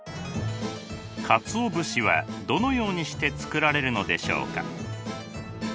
かつお節はどのようにして作られるのでしょうか？